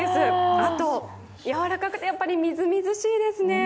あと、柔らかくてやっぱりみずみずしいですね。